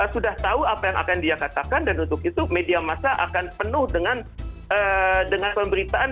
sudah tahu apa yang akan dia katakan dan untuk itu media masa akan penuh dengan pemberitaan